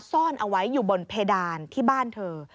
ซ่อนเอาไว้อยู่บนเพดานที่บ้านเธอ